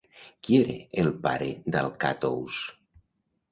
Qui era el pare d'Alcàtous?